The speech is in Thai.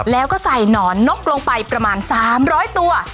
แล้วก็ใส่หนอนนกลงไปประมาณ๓๐๐ตัว